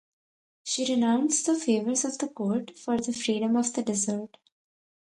She renounced the favours of the court for the freedom of the desert.